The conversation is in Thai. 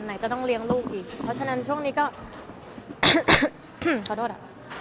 ไหนจะต้องเลี้ยงลูกอีกเพราะฉะนั้นช่วงนี้ก็ขอโทษอ่ะ